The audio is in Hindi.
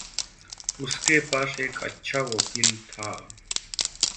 उसके पास एक अच्छा वकील था।